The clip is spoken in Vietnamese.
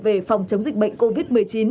về phòng chống dịch bệnh covid một mươi chín